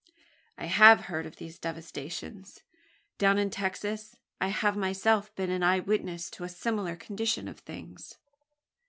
"I have heard of these devastations. Down in Texas, I have myself been an eye witness to a similar condition of things."